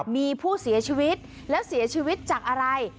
มีผู้เสียชีวิตแล้วเสียชีวิตจากอะไร